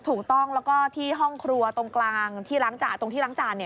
ถูกต้องแล้วก็ที่ห้องครัวตรงกลางที่หลังจาน